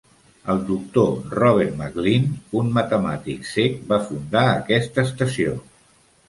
El Doctor Robert McLean, un matemàtic cec, va fundar aquesta estació.